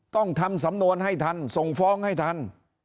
ต้องทำสำนวนให้ทันส่งฟ้องให้ทัน